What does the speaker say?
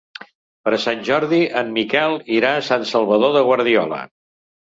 Per Sant Jordi en Miquel irà a Sant Salvador de Guardiola.